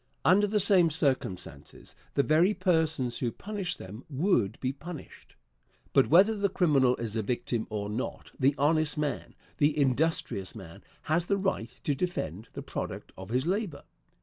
Under the same circumstances the very persons who punish them would be punished. But whether the criminal is a victim or not, the honest man, the industrious man, has the right to defend the product of his labor.